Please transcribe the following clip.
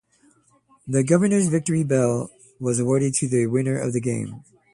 The Governor's Victory Bell is awarded to the winner of the game.